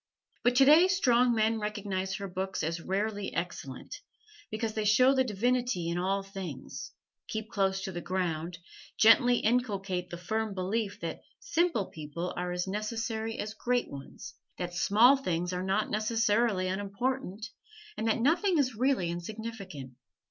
But today strong men recognize her books as rarely excellent, because they show the divinity in all things, keep close to the ground, gently inculcate the firm belief that simple people are as necessary as great ones, that small things are not necessarily unimportant, and that nothing is really insignificant.